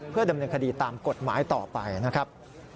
เพื่อดำเนินคดีตามกฎหมายต่อไปนะครับ